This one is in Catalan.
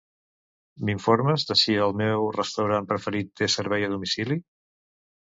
M'informes de si el meu restaurant preferit té servei a domicili?